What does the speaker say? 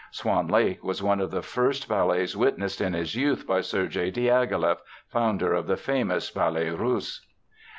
Swan Lake was one of the first ballets witnessed in his youth by Serge Diaghileff, founder of the famous Ballets Russes.